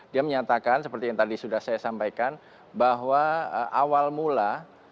dia menyatakan seperti yang tadi sudah saya sampaikan bahwa awal mula